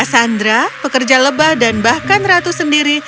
sandra pekerja lebah dan bahkan ratu sendiri